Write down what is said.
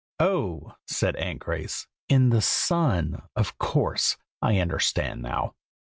"Oh!" said Aunt Grace. "In the sun; of course. I understand now.